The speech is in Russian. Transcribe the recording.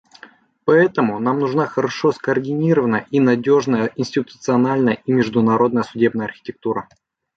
Поэтому нам нужна хорошо скоординированная и надежная институциональная и международная судебная архитектура.